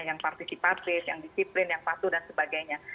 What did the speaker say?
yang partisipatif yang disiplin yang patuh dan sebagainya